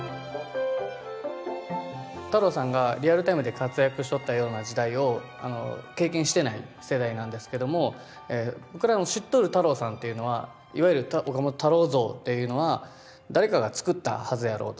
太郎さんがリアルタイムで活躍しとったような時代を経験してない世代なんですけども僕らの知っとる太郎さんっていうのはいわゆる岡本太郎像っていうのは誰かがつくったはずやろうと。